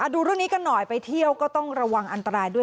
ดูเรื่องนี้กันหน่อยไปเที่ยวก็ต้องระวังอันตรายด้วย